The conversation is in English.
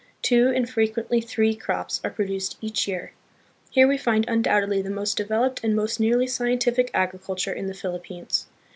Two and frequently three crops are produced each year. Here we find un doubtedly the most developed and most nearly scientific agriculture in the Philippines.